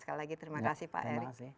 sekali lagi terima kasih pak erick